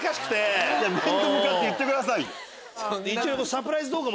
サプライズ動画